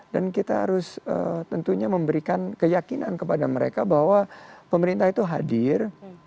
dan kita harus tentunya memberikan keyakinan kepada mereka bahwa pemerintah itu hadir